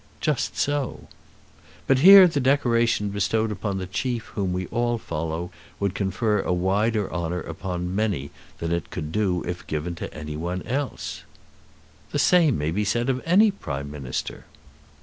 "Just so." "But here the decoration bestowed upon the chief whom we all follow, would confer a wider honour upon many than it could do if given to any one else." "The same may be said of any Prime Minister."